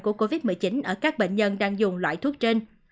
của covid một mươi chín ở các bệnh nhân đang dùng loại thuốc trên